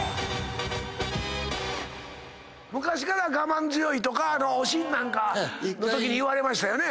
昔から我慢強いとか『おしん』なんかのときに言われましたよね。